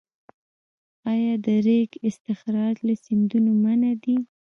آیا د ریګ استخراج له سیندونو منع دی؟